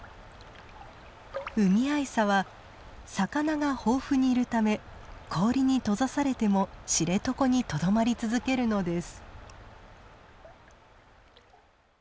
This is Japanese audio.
ウミアイサは魚が豊富にいるため氷に閉ざされても知床にとどまり続けるのです。